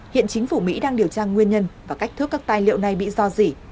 hiện chính phủ mỹ đang điều tra nguyên nhân và cách thước các tài liệu này bị do dỉ